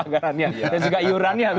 anggarannya dan juga iurannya